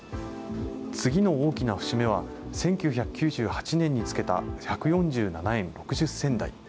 次の大きな節目は、１９９８年につけた１４７円６０銭台。